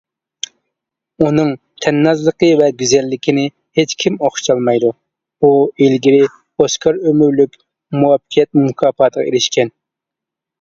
ئۇنىڭ تەننازلىقى ۋە گۈزەللىكىنى ھېچكىم ئوخشىتالمايدۇ، ئۇ ئىلگىرى ئوسكار ئۆمۈرلۈك مۇۋەپپەقىيەت مۇكاپاتىغا ئېرىشكەن.